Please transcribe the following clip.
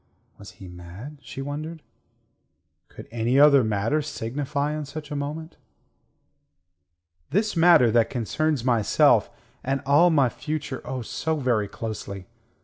Was he mad, she wondered. Could any other matter signify in such a moment. "This matter that concerns myself; and all my future, oh, so very closely.